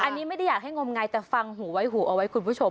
อันนี้ไม่ได้อยากให้งมงายแต่ฟังหูไว้หูเอาไว้คุณผู้ชม